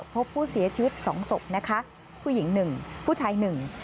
พบผู้เสียชีวิตสองศพนะคะผู้หญิงหนึ่งผู้ชายหนึ่ง